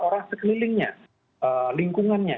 orang sekelilingnya lingkungannya